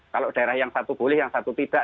kalau daerah yang satu boleh yang satu tidak